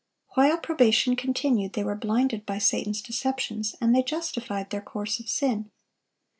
While probation continued they were blinded by Satan's deceptions, and they justified their course of sin.